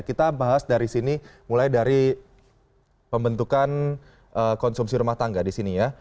kita bahas dari sini mulai dari pembentukan konsumsi rumah tangga di sini ya